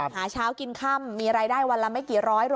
หาเช้ากินค่ำมีรายได้วันละไม่กี่ร้อย